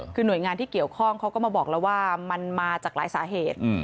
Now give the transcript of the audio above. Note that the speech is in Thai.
คือหน่วยงานที่เกี่ยวข้องเขาก็มาบอกแล้วว่ามันมาจากหลายสาเหตุ